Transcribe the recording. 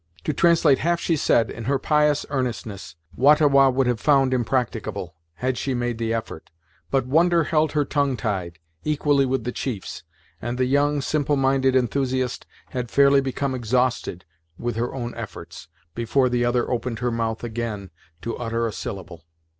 To translate half she said, in her pious earnestness, Wah ta Wah would have found impracticable, had she made the effort, but wonder held her tongue tied, equally with the chiefs, and the young, simple minded enthusiast had fairly become exhausted with her own efforts, before the other opened her mouth, again, to utter a syllable.